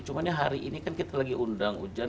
cuma hari ini kan kita lagi undang hujan